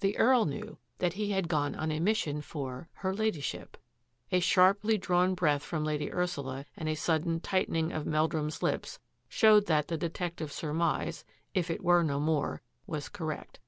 The Earl knew that he had gone on a mission for — her Ladyship." ; A sharply drawn breath from Lady Ursula and a sudden tightening of Meldrum's lips showed that the detective's surmise — if it were no more — was correct.